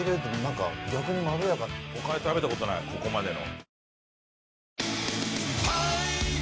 他で食べた事ないここまでの。